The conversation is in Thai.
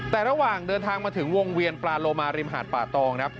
แต่ระหว่างเดินทางมาถึงวงเวียนปลาโลมาริมหาดป่าตองครับ